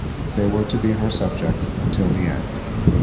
They were to be her subjects until the end.